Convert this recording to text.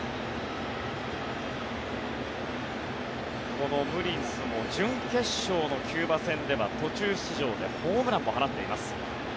このムリンスも準決勝のキューバ戦では途中出場でホームランも放っています。